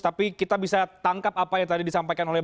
tapi kita bisa tangkap apa yang tadi disampaikan oleh